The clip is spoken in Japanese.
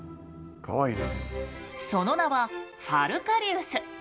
その名はファルカリウス。